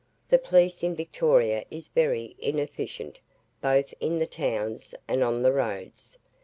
The police in Victoria is very inefficient, both in the towns and on the roads.